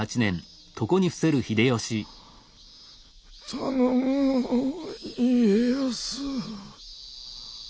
頼むぞ家康。